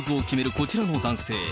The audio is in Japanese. こちらの男性。